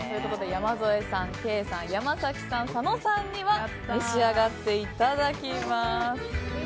山添さん、ケイさん山崎さん、佐野さんには召し上がっていただきます。